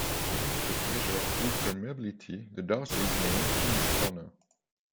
The unit of measure of fluid permeability, the darcy is named in his honour.